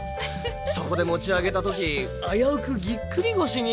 そこで持ち上げた時あやうくギックリ腰に。